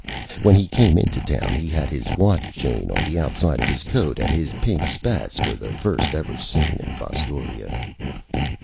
When he came into Town he had his Watch Chain on the outside of his Coat, and his Pink Spats were the first ever seen in Fostoria.